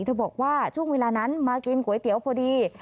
บอกว่าช่วงเวลานั้นมากินก๋วยเตี๋ยวพอดี